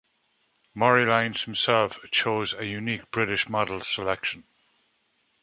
Murray Lines himself chose a uniquely British model selection.